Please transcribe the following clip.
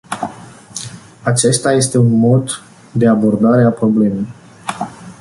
Acesta este un mod de abordare a problemei.